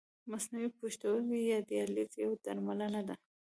مصنوعي پښتورګی یا دیالیز یوه درملنه ده.